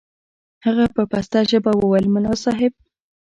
هغه په پسته ژبه وويل ملا صاحب.